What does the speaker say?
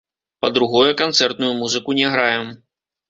Па-другое, канцэртную музыку не граем.